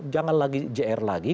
jangan lagi jr lagi